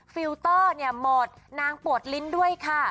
ฟิลเตอร์เนี่ยหมดนางปวดลิ้นด้วยค่ะ